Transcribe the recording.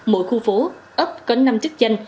mỗi khu phố ấp có năm chức danh